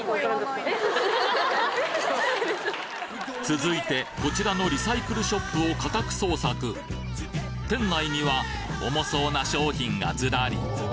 続いてこちらのリサイクルショップを家宅捜索店内には重そうな商品がズラリ！